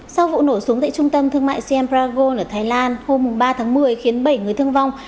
sau vụ nổ súng tại trung tâm thương mại siam bragon ở thái lan hôm ba tháng một mươi khiến bảy người thương vong